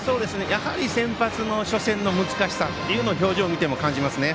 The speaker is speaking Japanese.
やはり、先発の初戦の難しさを表情を見ても感じますね。